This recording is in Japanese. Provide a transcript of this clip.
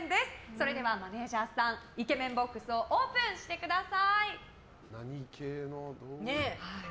それではマネジャーさんイケメンボックスをオープンしてください。